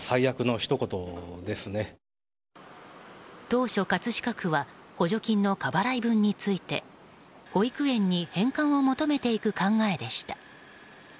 当初、葛飾区は補助金の過払い分について保育園に返還を求めていく考えでした。